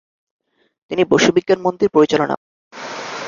তিনি বসু বিজ্ঞান মন্দির পরিচালনা করেন।